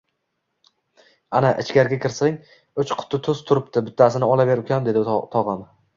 – Ana, ichkariga kirsang, uch quti tuz turibdi, bittasini olaver, ukam, – dedi tog‘am